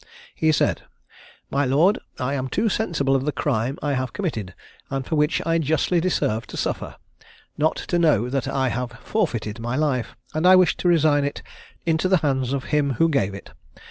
He said, "My lord, I am too sensible of the crime I have committed, and for which I justly deserve to suffer, not to know that I have forfeited my life, and I wish to resign it into the hands of Him who gave it.